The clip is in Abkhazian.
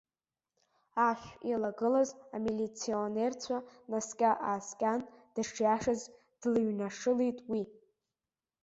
Ашә илагылаз амилиционерцәа наскьа-ааскьан, дышиашаз длыҩнашылеит уи.